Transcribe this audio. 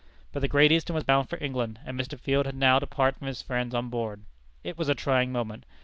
But the Great Eastern was bound for England, and Mr. Field had now to part from his friends on board. It was a trying moment.